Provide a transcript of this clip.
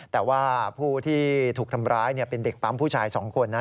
แต่ว่าผู้ที่ถูกทำร้ายเป็นเด็กปั๊มผู้ชาย๒คนนะ